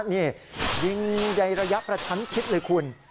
นี่ยิงในระยะประชันชิดเลยคุณ